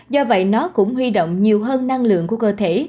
do vậy nó cũng huy động nhiều hơn năng lượng của cơ thể